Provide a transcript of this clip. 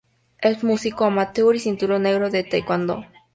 Es músico amateur y cinturón negro de taekwondo.